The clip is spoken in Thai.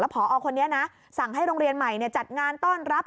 พอคนนี้นะสั่งให้โรงเรียนใหม่จัดงานต้อนรับ